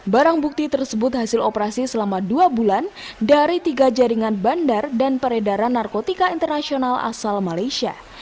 barang bukti tersebut hasil operasi selama dua bulan dari tiga jaringan bandar dan peredaran narkotika internasional asal malaysia